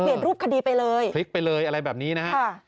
เปลี่ยนรูปคดีไปเลยไปเลยอะไรแบบนี้นะฮะค่ะ